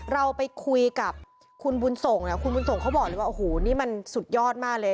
เราไปคุยกับคุณบุญส่งคุณบุญส่งเขาบอกเลยว่าโอ้โหนี่มันสุดยอดมากเลย